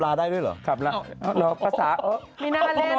บ๊วยโต๊ะเธอขับร้าได้ด้วยเหรอ